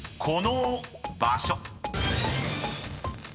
［この場所］